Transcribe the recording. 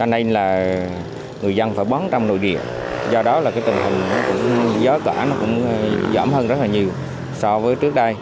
người dân phải bán trong nội địa do đó là tình hình gió cả giỏm hơn rất nhiều so với trước đây